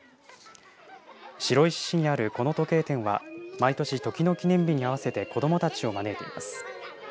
白石市にあるこの時計店は毎年、時の記念日に合わせて子どもたちを招いています。